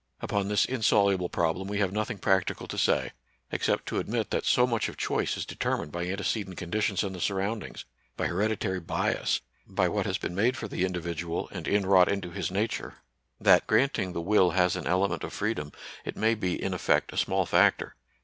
Upon this insoluble problem we have nothing practical to say, except to admit that so much of choice is determined by antecedent conditions and the surroundings, by hereditary bias, by what has been made for the individual and inwrought into his nature, that, granting the will has an element of freedom, it may be in effect a small factor.